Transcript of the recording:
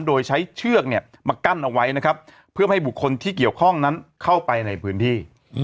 โดยใช้เชือกเนี่ยมากั้นเอาไว้นะครับเพื่อไม่ให้บุคคลที่เกี่ยวข้องนั้นเข้าไปในพื้นที่